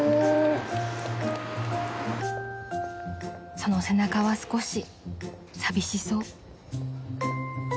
［その背中は少し寂しそう］